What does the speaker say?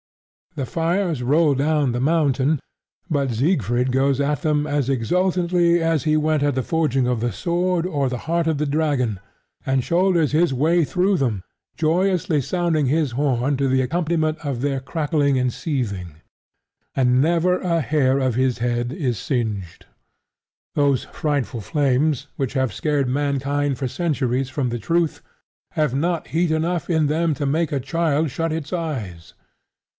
The fires roll down the mountain; but Siegfried goes at them as exultantly as he went at the forging of the sword or the heart of the dragon, and shoulders his way through them, joyously sounding his horn to the accompaniment of their crackling and seething. And never a hair of his head is singed. Those frightful flames which have scared mankind for centuries from the Truth, have not heat enough in them to make a child shut its eyes.